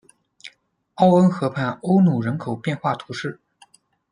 奥恩河畔欧努人口变化图示